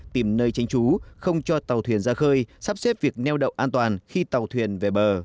tìm nơi tránh trú không cho tàu thuyền ra khơi sắp xếp việc neo đậu an toàn khi tàu thuyền về bờ